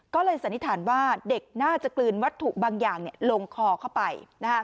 ก็เลยสันนิษฐานว่าเด็กน่าจะกลืนวัตถุบางอย่างลงคอเข้าไป